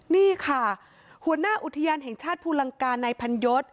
นี่ค่ะหัวหน้าอุทยานแห่งชาติภูลังกานายพันยศ